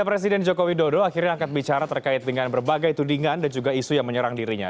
presiden joko widodo akhirnya angkat bicara terkait dengan berbagai tudingan dan juga isu yang menyerang dirinya